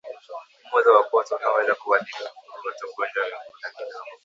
mwozo wa kwato unaoweza kuwaathiri mifugo wote ugonjwa wa miguu na midomo